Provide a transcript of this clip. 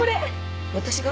私が？